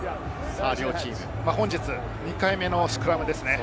本日２回目のスクラムですね。